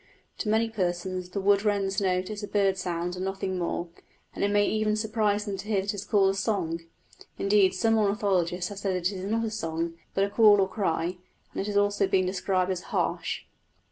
To many persons the wood wren's note is a bird sound and nothing more, and it may even surprise them to hear it called a song. Indeed, some ornithologists have said that it is not a song, but a call or cry, and it has also been described as "harsh."